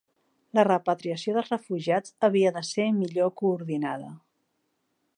La repatriació dels refugiats havia de ser millor coordinada.